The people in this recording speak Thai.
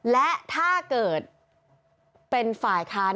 และถ้าเกิดเป็นฝ่ายค้าน